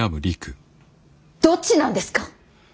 どっちなんですか！